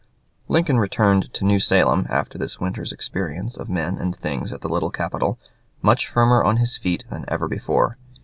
Lincoln returned to New Salem, after this winter's experience of men and things at the little capital, much firmer on his feet than ever before.